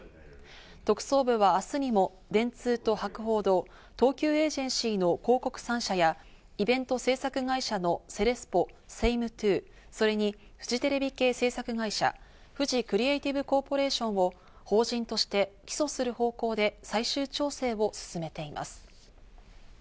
特捜部は明日にも電通と博報堂、東急エージェンシーの広告３社や、イベント制作会社のセレスポ、セイムトゥー、それにフジテレビ系制作会社フジクリエイティブコーポレーションを法人として起訴する方向で最終調整を進めています。